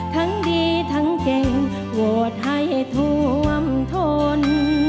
ทั้งดีทั้งเก่งโหวตให้ท่วมทน